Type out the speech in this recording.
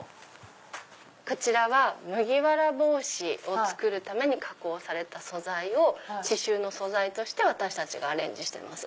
こちらは麦わら帽子を作るために加工された素材を刺繍の素材として私たちがアレンジしてます。